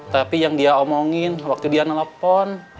tapi yang dia omongin waktu dia nelfon